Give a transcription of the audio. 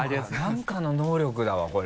何かの能力だわこれ。